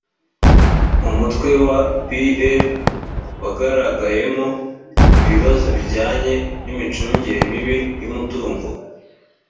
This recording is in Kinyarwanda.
umutwe wa pl wagaragayemo ibibazo bijyanye n imicungire mibi y umutungo